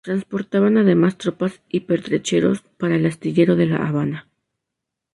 Transportaban además tropas y pertrechos para el astillero de La Habana.